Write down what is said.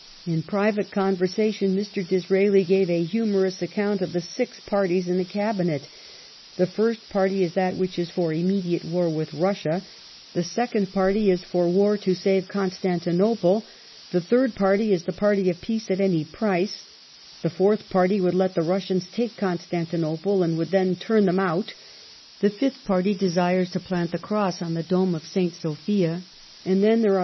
" In private conversation, Mr. Disraeli gave a humorous account of the six parties in the Cabinet. The first party is that which is for immediate war with Russia ; the second party is for war to save Constantinople ; the third party is the party of Peace at any Price ; the fourth party would let the Russians take Constantinople and would then turn them out ; the fifth party desires to plant the cross on the dome of St. Sophia ; and then there are the Prime 1 See Turkey Papers (No.